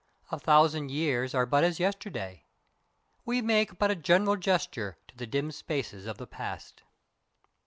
A thousand years are but as yesterday. We make but a general gesture to the dim spaces of the past.